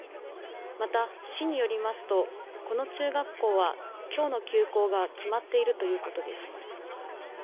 また、市によりますと、この中学校はきょうの休校が決まっているということです。